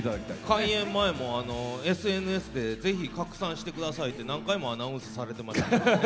開演前も、ＳＮＳで拡散してくださいって何回もアナウンスされていましたから。